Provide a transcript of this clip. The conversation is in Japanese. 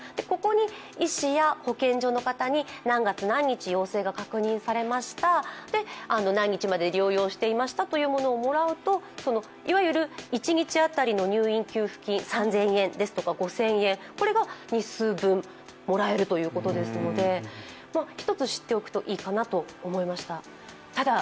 ここに医師や保健所の方に何月何日、陽性が確認されました、何日まで療養していましたというものをもらうといわゆる一日当たりの入院給付金、３０００円ですとか５０００円が日数分もらえるということですので１つ知っておくといいかなと思いました。